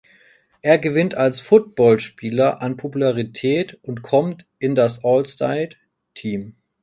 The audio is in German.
Er gewinnt als Footballspieler an Popularität und kommt in das All State Team.